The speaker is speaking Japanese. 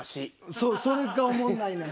そうそれがおもんないねん。